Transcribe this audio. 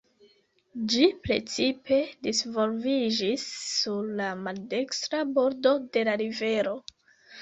Ĝi precipe disvolviĝis sur la maldekstra bordo de la rivero.